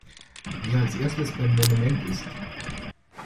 Wer als erstes beim Monument ist!